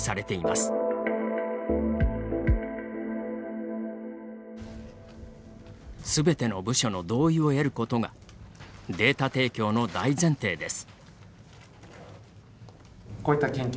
すべての部署の同意を得ることがデータ提供の大前提です。